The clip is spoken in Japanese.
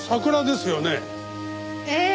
ええ。